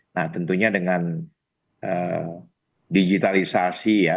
nah tentunya dengan digitalisasi ya